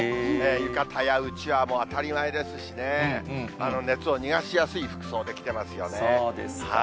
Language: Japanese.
浴衣やうちわも当たり前ですしね、熱を逃がしやすい服装で来てますよね。